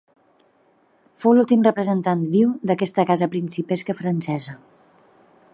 Fou l'últim representant viu d'aquesta casa principesca francesa.